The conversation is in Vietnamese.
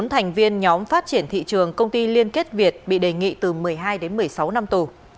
bốn thành viên nhóm phát triển thị trường công ty liên kết việt bị đề nghị từ một mươi hai đến một mươi sáu năm tù